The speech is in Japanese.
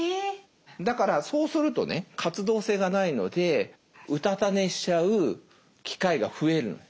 だからそうするとね活動性がないのでうたた寝しちゃう機会が増えるの。